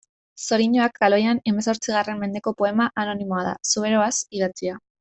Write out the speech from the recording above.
Xoriñoak kaloian hemezortzigarren mendeko poema anonimoa da, zubereraz idatzia.